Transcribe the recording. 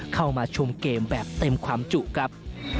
เข้ามาชมเกมแบบเต็มความจุครับ